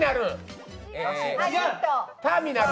ターミナル？